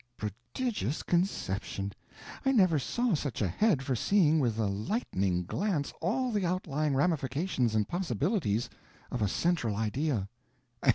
"Prodigious conception! I never saw such a head for seeing with a lightning glance all the outlying ramifications and possibilities of a central idea."